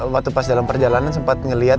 waktu pas dalam perjalanan sempat ngeliat